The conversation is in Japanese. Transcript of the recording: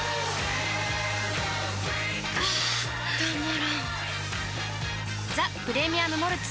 あたまらんっ「ザ・プレミアム・モルツ」